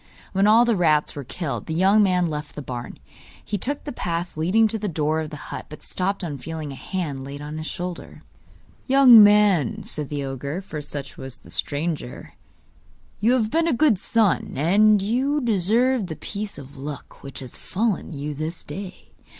When all the rats were killed, the young man left the barn. He took the path leading to the door of the hut, but stopped on feeling a hand laid on his shoulder. 'Young man,' said the ogre (for such was the stranger), 'you have been a good son, and you deserve the piece of luck which has befallen you this day.